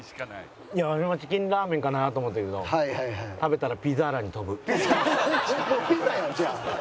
わしもチキンラーメンかなと思ってたけど食べたらもうピザやんじゃあ。